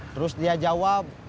terus dia jawab